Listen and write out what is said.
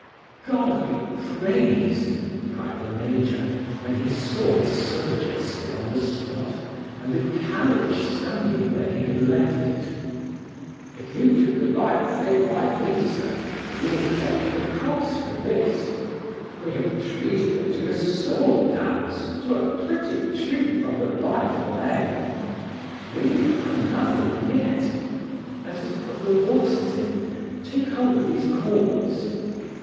"God be praised!" cried the major, when he saw his soldier still on the spot, and the carriage standing where he had left it. "If you do the right thing by me, sir, you will get me the cross for this. We have treated them to a sword dance to a pretty tune from the rifle, eh?" "We have done nothing yet! Let us put the horses in. Take hold of these cords."